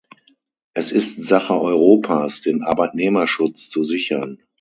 Es ist Sache Europas, den Arbeitnehmerschutz zu sichern.